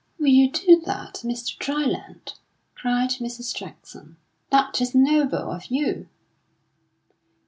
"Will you do that, Mr. Dryland?" cried Mrs. Jackson. "That is noble of you!"